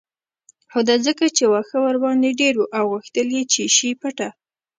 او دا ځکه چې واښه ورباندې ډیر و او غوښتل یې چې شي پټه